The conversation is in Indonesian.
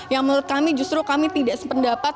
yang menurut kami justru kami tidak sependapat